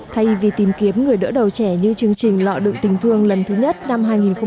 thay vì tìm kiếm người đỡ đầu trẻ như chương trình lọ đựng tình thương lần thứ nhất năm hai nghìn một mươi chín